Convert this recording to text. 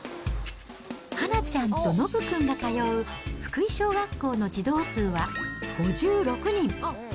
はなちゃんとのぶ君が通う、福井小学校の児童数は５６人。